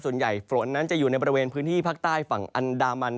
ส่วนใหญ่ฝนนั้นจะอยู่ในบริเวณพื้นที่ภาคใต้ฝั่งอันดามัน